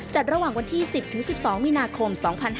ระหว่างวันที่๑๐๑๒มีนาคม๒๕๕๙